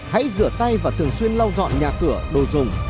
hãy rửa tay và thường xuyên lau dọn nhà cửa đồ dùng